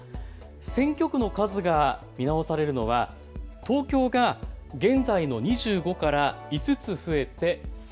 選挙区の数が見直されるのは東京が現在の２５から５つ増えて３０。